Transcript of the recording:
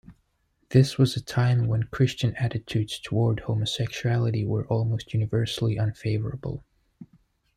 This was a time when Christian attitudes toward homosexuality were almost universally unfavorable.